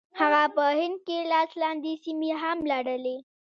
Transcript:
هغه په هند کې لاس لاندې سیمې هم لري.